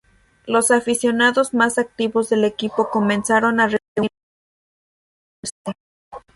Los aficionados más activos del equipo comenzaron a reunirse en la tribuna oeste.